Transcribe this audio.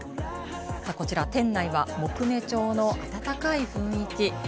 店内は木目調の温かい雰囲気。